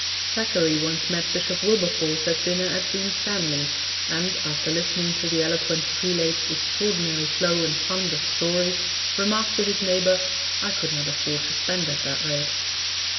Thackeray once met Bishop Wilberforce at dinner at Dean Stanley's, and, after listening to the eloquent prelate's extraordinary flow and fund of stories, remarked to his neighbour, 'I could not afford to spend at that rate.'